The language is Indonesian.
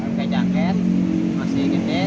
kayak jangkit masih gede